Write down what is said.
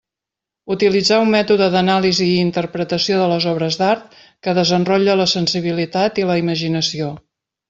Utilitzar un mètode d'anàlisi i interpretació de les obres d'art que desenrotlle la sensibilitat i la imaginació.